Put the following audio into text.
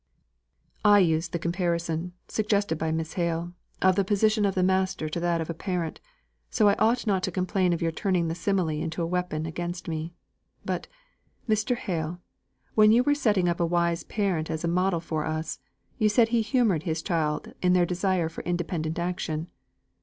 "I used the comparison (suggested by Miss Hale) of the position of the master to that of a parent, so I ought not to complain of your turning the simile into a weapon against me. But, Mr. Hale, when you were setting up a wise parent as a model for us, you said he humoured his children in their desire for independent action.